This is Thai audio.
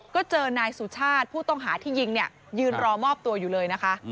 ก็เจอนายสุชาติผู้ต้องหาที่ยิงเนี่ยยืนรอมอบตัวอยู่เลยนะคะ